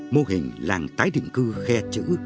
mô hình làng tái định cư khe chữ